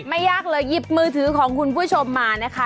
ไม่ยากเลยหยิบมือถือของคุณผู้ชมมานะคะ